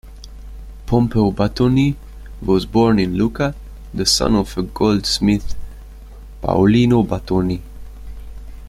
Pompeo Batoni was born in Lucca, the son of a goldsmith, Paolino Batoni.